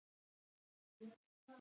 متمدن او ځیرک سړی وو.